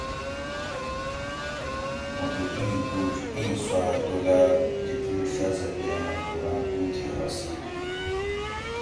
موٹو ایں بُوج ایں سوآ دولت لِکیٹ شازادگے آں کُھوراں تُو تھی حاصل ہِیت